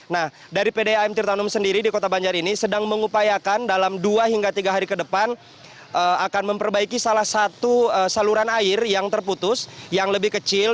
nah dari pdam tirtanum sendiri di kota banjar ini sedang mengupayakan dalam dua hingga tiga hari ke depan akan memperbaiki salah satu saluran air yang terputus yang lebih kecil